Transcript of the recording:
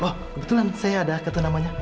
oh kebetulan saya ada kartu namanya